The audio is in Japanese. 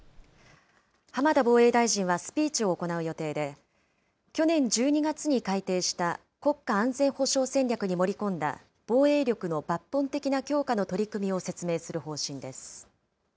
浜田防衛大臣はスピーチを行う予定で、去年１２月に改定した国家安全保障戦略に盛り込んだ、防衛力の抜本的な強化の取り組みを説明する方針です。